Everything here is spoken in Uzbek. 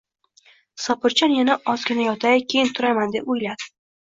Sobirjon yana ozgina yotay, keyin turaman deb oʻyladi.